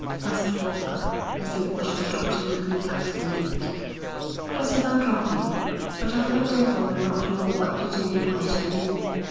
asked Walker, as he watched the doctor neatly cut the lint. 'Just about dropping. But I've a devil of a lot more work to do before I turn in.'